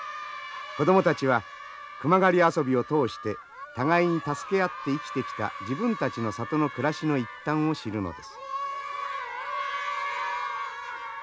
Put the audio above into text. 子供たちは熊狩り遊びを通して互いに助け合って生きてきた自分たちの里の暮らしの一端を知るのです。